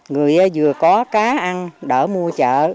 người vừa có cá ăn đỡ mua chợ